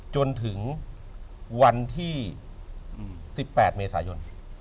จนถึงวันที่๑๘เมษายน